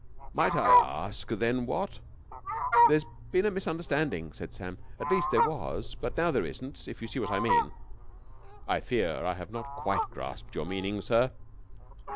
"Might I ask, then what...?" "There's been a misunderstanding," said Sam. "At least, there was, but now there isn't, if you see what I mean." "I fear I have not quite grasped your meaning, sir."